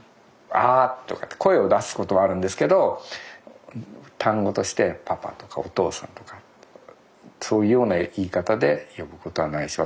あとかって声を出すことはあるんですけど単語としてパパとかお父さんとかそういうような言い方で呼ぶことはないし